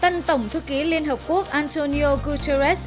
tân tổng thư ký liên hợp quốc antonio guterres